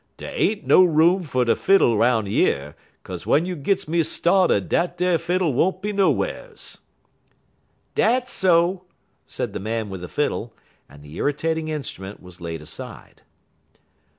Dey ain't no room fer no fiddle 'roun' yer, 'kaze w'en you gits me started dat ar fiddle won't be nowhars." "Dat's so," said the man with the fiddle, and the irritating instrument was laid aside.